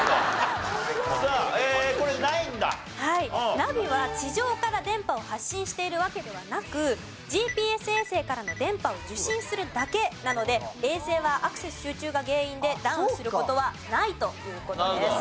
ナビは地上から電波を発信しているわけではなくＧＰＳ衛星からの電波を受信するだけなので衛星はアクセス集中が原因でダウンする事はないという事です。